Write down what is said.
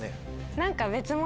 何か。